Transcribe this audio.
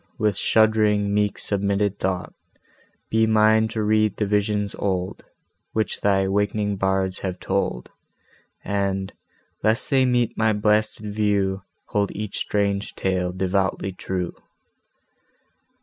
with shudd'ring, meek submitted thought Be mine to read the visions old Which thy awak'ning bards have told, And, lest they meet my blasted view, Hold each strange tale devoutly true.